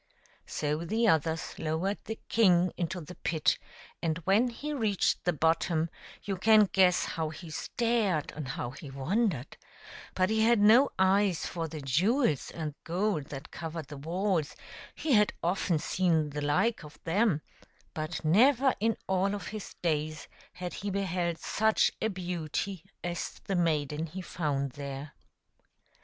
So the others lowered the king into the pit, and when he reached the bottom you can guess how he stared and how he wondered ; but he had no eyes for the jewels and gold that covered the walls ; he had often seen the like of them, but never in all of his days had he beheld such a beauty as the maiden he found there.